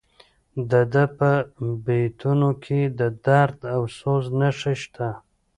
د ده په بیتونو کې د درد او سوز نښې شته.